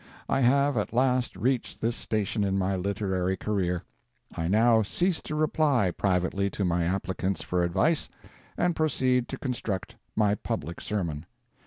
I have at last reached this station in my literary career. I now cease to reply privately to my applicants for advice, and proceed to construct my public sermon.